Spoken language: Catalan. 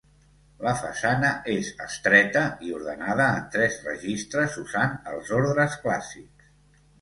La façana és estreta i ordenada en tres registres usant els ordres clàssics.